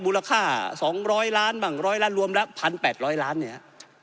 มูลค่าสองร้อยล้านบังร้อยล้านรวมละพันแปดร้อยล้านเนี่ย